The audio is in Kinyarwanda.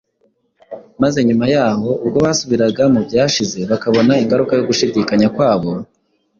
maze nyuma y’aho ubwo basubiraga mu byashize bakabona ingaruka yo gushidikanya kwabo,